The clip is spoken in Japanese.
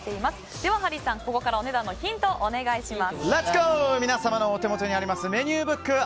ではハリーさん、ここからお値段のヒントをお願いします。